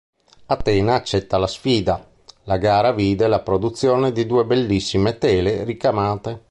Atena accettò la sfida, la gara vide la produzione di due bellissime tele ricamate.